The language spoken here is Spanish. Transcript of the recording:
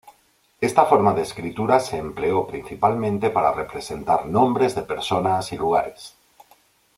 Esta forma de escritura se empleó principalmente para representar nombres de personas y lugares.